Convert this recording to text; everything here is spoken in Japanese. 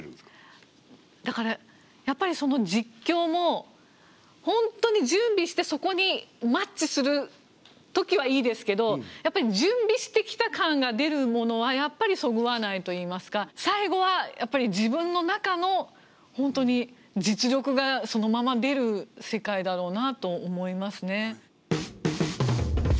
だからやっぱりその実況も本当に準備してそこにマッチするときはいいですけどやっぱり準備してきた感が出るものはやっぱりそぐわないといいますか最後はやっぱり自分の中の本当に実力がそのまま出る世界だろうなと思いますね。